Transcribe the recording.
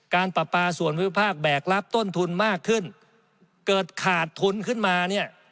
การปราปาส่วนภูมิภาคแบกรับต้นทุนมากขึ้นเกิดขาดทุนขึ้นมาเนี่ย